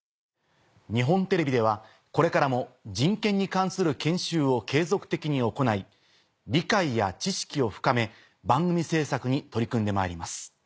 日本テレビではこれからも人権に関する研修を継続的に行い理解や知識を深め番組制作に取り組んでまいります。